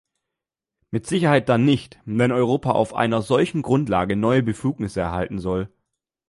Mit Sicherheit dann nicht, wenn Europa auf einer solchen Grundlage neue Befugnisse erhalten soll.